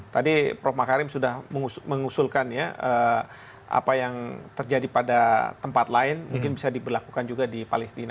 tadi prof makarim sudah mengusulkan ya apa yang terjadi pada tempat lain mungkin bisa diberlakukan juga di palestina